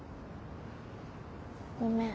ごめん。